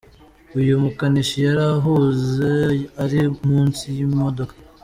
Uyu mukanishi yari ahuze ari munsi y’imodoka.